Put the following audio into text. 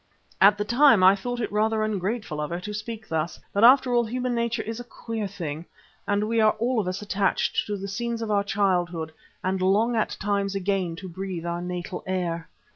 At the time I thought it rather ungrateful of her to speak thus, but after all human nature is a queer thing and we are all of us attached to the scenes of our childhood and long at times again to breathe our natal air.